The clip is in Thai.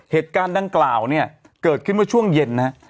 เหตุการณ์ดังกล่าวเนี่ยเกิดขึ้นเมื่อช่วงเย็นนะฮะ